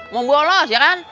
mau bolos ya kan